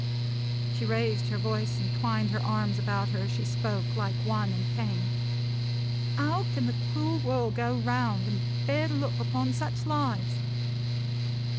she raised her voice and twined her arms about her as she spoke, like one in pain. "How can the cruel world go round, and bear to look upon such lives!"